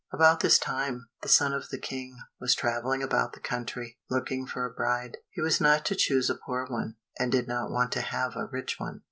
About this time, the son of the King was travelling about the country looking for a bride. He was not to choose a poor one, and did not want to have a rich one.